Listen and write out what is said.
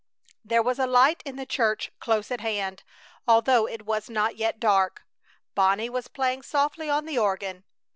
There was a light in the church close at hand, although it was not yet dark. Bonnie was playing softly on the organ.